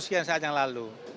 sekian saat yang lalu